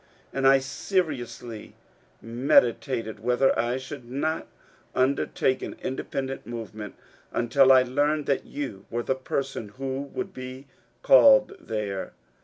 And I seriously medi tated whether I should not undertake an independent move ment, — until I learned that you were the person who would be called there.